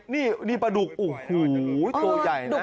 นี่ปลาดุกโอ้โหตัวใหญ่นะ